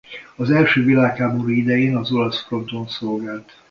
Az első világháború idején az olasz fronton szolgált.